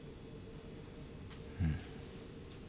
うん。